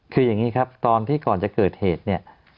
คืออย่างนี้ครับตอนที่ก่อนจะเกิดเหตุเนี่ย